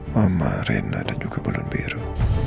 mama rena dan juga bolon biru